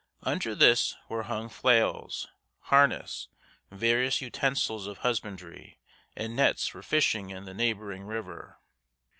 Under this were hung flails, harness, various utensils of husbandry, and nets for fishing in the neighboring river.